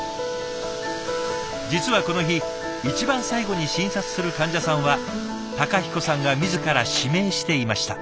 実はこの日一番最後に診察する患者さんは孝彦さんが自ら指名していました。